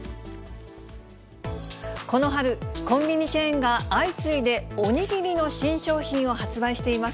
この春、コンビニチェーンが相次いでおにぎりの新商品を発売しています。